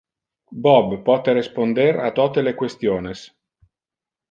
Bob pote responder a tote le questiones.